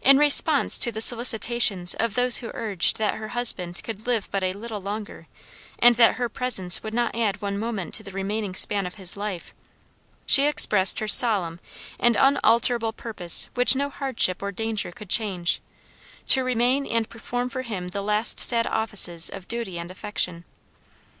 In response to the solicitations of those who urged that her husband could live but a little longer, and that her presence would not add one moment to the remaining span of his life, she expressed her solemn and unalterable purpose which no hardship or danger could change, to remain and perform for him the last sad offices of duty and affection.